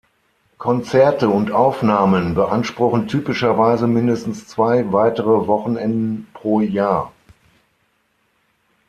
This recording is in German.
Konzerte und Aufnahmen beanspruchen typischerweise mindestens zwei weitere Wochenenden pro Jahr.